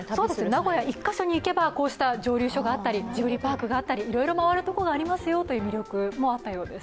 名古屋１か所に行けば、こうした蒸溜所があったりジブリパークがあったり、いろいろ回るところがありますよという魅力があったようです。